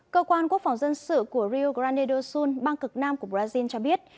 cơ quan quốc phòng dân sự của rio grande do sul bang cực nam của brazil cho biết